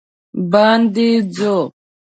باندې ځو